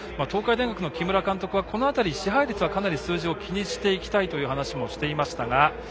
東海大学の木村監督はこの辺り支配率はかなり数字を気にしていきたいという話もしていました。